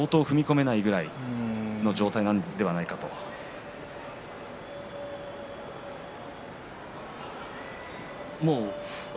相当踏み込めないとぐらいの状態ではないかと親方